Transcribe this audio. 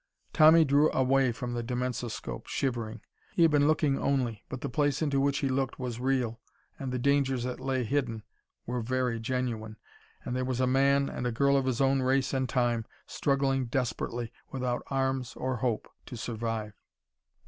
Tommy drew away from the dimensoscope, shivering. He had been looking only, but the place into which he looked was real, and the dangers that lay hidden there were very genuine, and there was a man and a girl of his own race and time struggling desperately, without arms or hope, to survive.